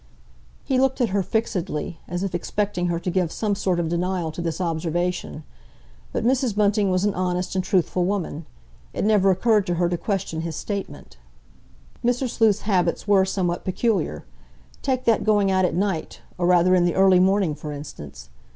He looked at her fixedly, as if expecting her to give some sort of denial to this observation. But Mrs. Bunting was an honest and truthful woman. It never occurred to her to question his statement. Mr. Sleuth's habits were somewhat peculiar. Take that going out at night, or rather in the early morning, for instance?